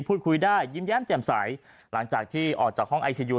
พูดคุยได้ยิ้มแย้มแจ่มใสหลังจากที่ออกจากห้องไอซียู